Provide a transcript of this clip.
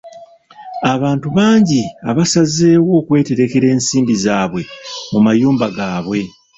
Abantu bangi basazeewo okweterekera ensimbi zaabwe mu mayumba gaabwe.